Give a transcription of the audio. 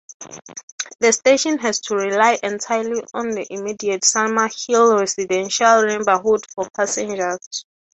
The station has to rely entirely on the immediate Summerhill residential neighbourhood for passengers.